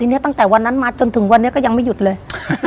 ทีนี้ตั้งแต่วันนั้นมาจนถึงวันนี้ก็ยังไม่หยุดเลย